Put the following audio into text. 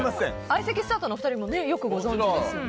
相席スタートのお二人もよくご存じですね。